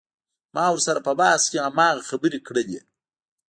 ما ورسره په بحث کښې هماغه خبرې کړلې.